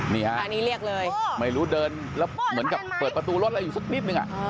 นี่ฮะไม่รู้เดินแล้วเหมือนกับเปิดประตูรถอยู่สุดนิดหนึ่งอะ